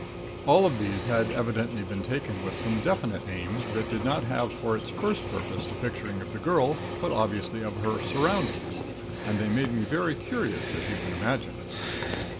All of these had evidently been taken with some definite aim that did not have for its first purpose the picturing of the girl, but obviously of her surroundings and they made me very curious, as you can imagine.